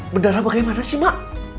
berdarah bagaimana sih mak